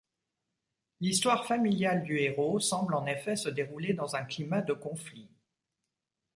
L'histoire familiale du héros semble en effet se dérouler dans un climat de conflit.